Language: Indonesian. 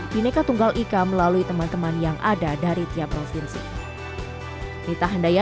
bineka tunggal ika melalui teman teman yang ada dari tiap provinsi